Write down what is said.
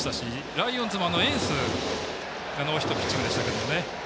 ライオンズもエンスがノーヒットピッチングでしたね。